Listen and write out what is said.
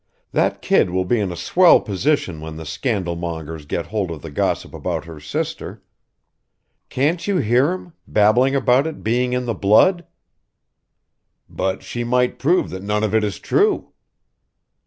That kid will be in a swell position when the scandal mongers get hold of the gossip about her sister. Can't you hear 'em babbling about it being in the blood?" "But she might prove that none of it is true."